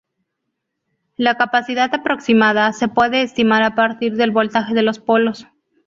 La capacidad aproximada se puede estimar a partir del voltaje de los polos.